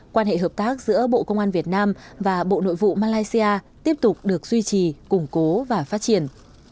quan hệ hợp tác giữa bộ công an việt nam và bộ nội vụ malaysia tiếp tục được duy trì củng cố và phát triển